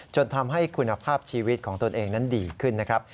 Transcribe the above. จนทำให้คุณภาพชีวิตของตนเองนั้นดีขึ้นนะครับ